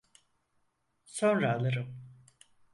Sonra alırım.